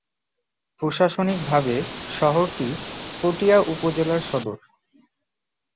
প্রশাসনিকভাবে শহরটি পটিয়া উপজেলার সদর।